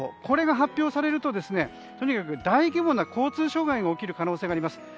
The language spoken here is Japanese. これが発表されるととにかく大規模な交通障害が起きる可能性があります。